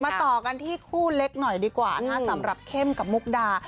ต่อกันที่คู่เล็กหน่อยดีกว่านะคะสำหรับเข้มกับมุกดา